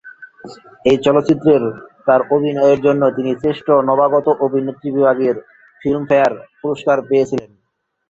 এই চলচ্চিত্রের তাঁর অভিনয়ের জন্য তিনি শ্রেষ্ঠ নবাগত অভিনেত্রী বিভাগে ফিল্মফেয়ার পুরস্কার পেয়ে ছিলেন।